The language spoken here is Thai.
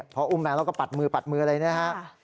พออุ้มแมวแล้วก็ปัดมือเลยนะครับ